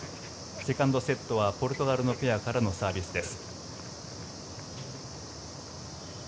セカンドセットはポルトガルのペアからのサービスです。